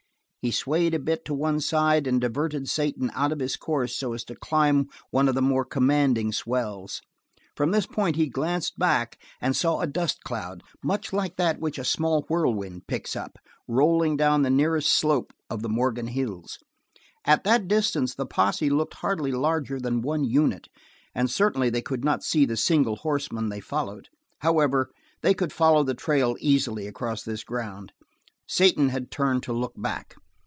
He swayed a bit to one side and diverted Satan out of his course so as to climb one of the more commanding swells. From this point he glanced back and saw a dust cloud, much like that which a small whirlwind picks up, rolling down the nearest slope of the Morgan Hills. At that distance the posse looked hardly larger than one unit, and certainly they could not see the single horseman they followed; however, they could follow the trail easily across this ground. Satan had turned to look back.